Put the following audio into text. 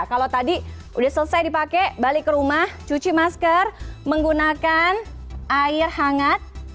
kalau tadi udah selesai dipakai balik ke rumah cuci masker menggunakan air hangat